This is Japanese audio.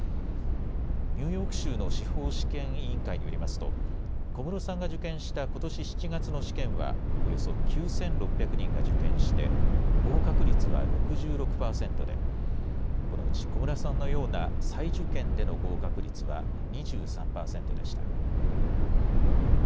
ニューヨーク州の司法試験委員会によりますと、小室さんが受験したことし７月の試験は、およそ９６００人が受験して、合格率は６６％で、このうち小室さんのような再受験での合格率は２３％でした。